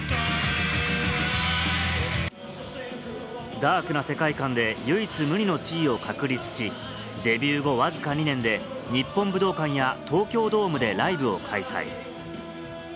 ダークな世界観で唯一無二の地位を確立し、デビュー後、わずか２年で日本武道館や東京ドームでライブを開催。